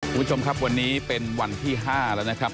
คุณผู้ชมครับวันนี้เป็นวันที่๕แล้วนะครับ